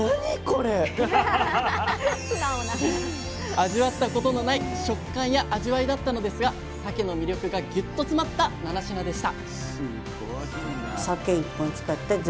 味わったことのない食感や味わいだったのですがさけの魅力がぎゅっと詰まった７品でした！